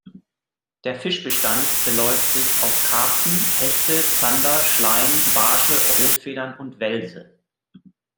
Der Fischbestand beläuft sich auf Karpfen, Hechte, Zander, Schleien, Barsche, Rotfedern und Welse.